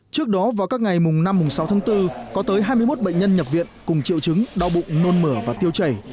trước đó vào các ngày mùng năm sáu tháng bốn có tới hai mươi một bệnh nhân nhập viện cùng triệu chứng đau bụng nôn mửa và tiêu chảy